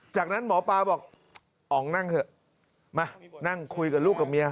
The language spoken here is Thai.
จากนั้นหมอปลาบอกอ๋องนั่งเถอะมานั่งคุยกับลูกกับเมีย